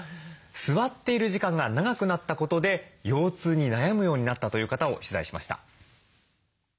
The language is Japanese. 座っている時間が長くなったことで腰痛に悩むようになったという方を取材しました。